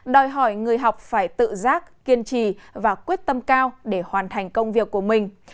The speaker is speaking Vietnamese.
đòi hỏi người học phải tự giác kiên trì và quyết tâm cao để hoàn thành công việc của mình